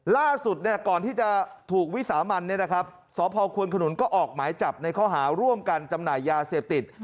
ล่าสุดก่อนที่จะถูกวิสามันสพควนขนุนก็ออกหมายจับในข้อหาร่วมกันจำหน่ายยาเสพติด